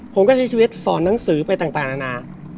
ผมก็ใช้ชีวิตสอนหนังสือไปต่างนานา